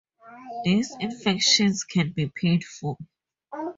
These infections can be painful.